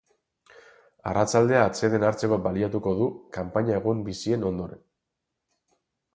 Arratsaldea atseden hartzeko baliatuko du kanpaina egun bizien ondoren.